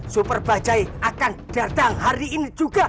super bajai akan datang hari ini juga